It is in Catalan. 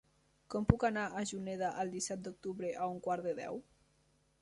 Com puc anar a Juneda el disset d'octubre a un quart de deu?